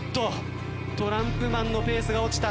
トランプマンのペースが落ちた。